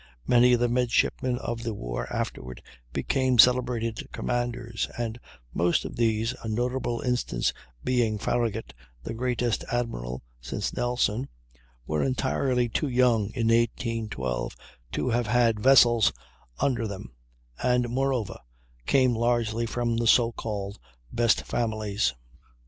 Many of the midshipmen of the war afterward became celebrated commanders, and most of these (a notable instance being Farragut, the greatest admiral since Nelson) were entirely too young in 1812 to have had vessels under them, and, moreover, came largely from the so called "best families."